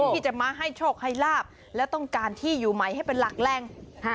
ที่จะมาให้โชคให้ลาบและต้องการที่อยู่ใหม่ให้เป็นหลักแหล่ง